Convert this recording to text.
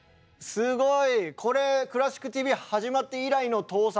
すごい。